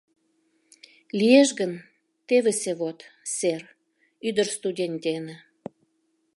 — Лиеш гын, тевысе вот, сэр... ӱдыр студень дене.